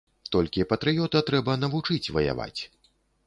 Толькі патрыёта трэба навучыць ваяваць.